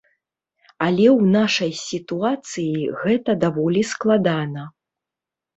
Але ў нашай сітуацыі гэта даволі складана.